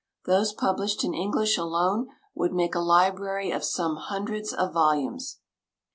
Those published in English alone would make a library of some hundreds of volumes.